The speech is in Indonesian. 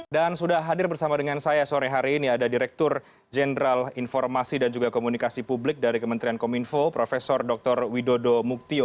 dan sudah hadir bersama dengan saya sore hari ini ada direktur jenderal informasi dan juga komunikasi publik dari kementerian kominfo prof dr widodo muktio